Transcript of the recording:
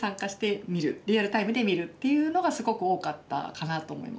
リアルタイムで見るっていうのがすごく多かったかなと思います。